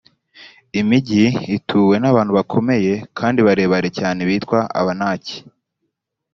imigi ituwe n’abantu bakomeye kandi barebare cyane, bitwa abanaki.